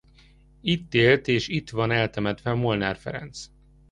Itt élt és itt van eltemetve Molnár Ferenc.